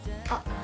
あっ。